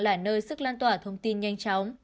là nơi sức lan tỏa thông tin nhanh chóng